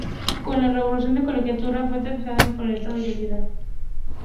Con la Revolución la Colegiata fue confiscada por el Estado y vendida.